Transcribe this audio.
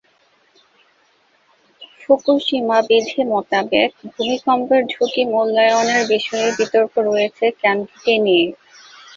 Fukushima বিধি মোতাবেক ভূমিকম্পের ঝুঁকি মূল্যায়নের বিষয়ে বিতর্ক রয়েছে কেন্দ্রটি নিয়ে।